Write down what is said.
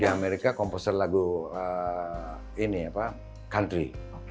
di amerika komposer lagu country